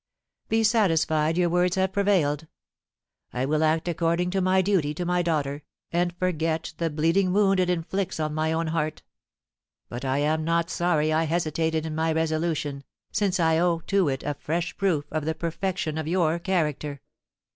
Be satisfied your words have prevailed, I will act according to my duty to my daughter, and forget the bleeding wound it inflicts on my own heart. But I am not sorry I hesitated in my resolution, since I owe to it a fresh proof of the perfection of your character."